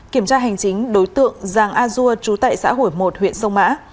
kiểm tra hành chính đối tượng giàng a dua trú tại xã hủy một huyện sông mã